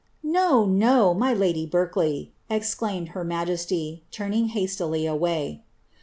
* No, no, my lady Berkeley," exclaimed her majesty, turning hastily awav.